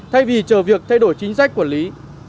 thay vì chờ việc thay đổi chính sách quản lý